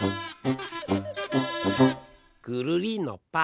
ぐるりんのぱ！